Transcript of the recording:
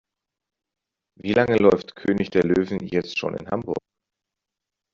Wie lange läuft König der Löwen jetzt schon in Hamburg?